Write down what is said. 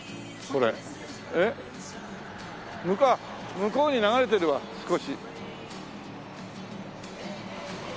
あっ向こうに流れてるわ少し。